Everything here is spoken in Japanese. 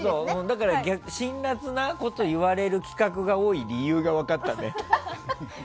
だから、辛辣なことを言われる企画が多い理由が分かったね。